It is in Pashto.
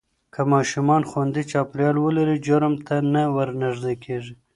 که ماشومان خوندي چاپېریال ولري، جرم ته نه ورنږدې کېږي.